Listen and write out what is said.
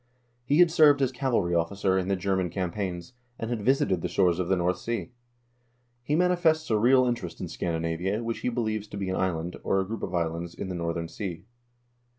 He had served as cavalry officer in the German cam paigns, and had visited the shores of the North Sea. He manifests a real interest in Scandinavia, which he believes to be an island, or a group of islands, in the northern sea.